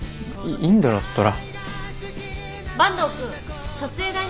インドのトラ？